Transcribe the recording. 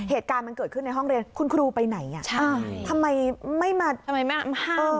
เหตุการณ์มันเกิดขึ้นในห้องเรียนคุณครูไปไหนอ่ะใช่ทำไมไม่มาทำไมไม่ห้าม